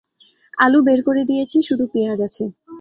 আলু বের করে দিয়েছি, শুধু পিঁয়াজ আছে।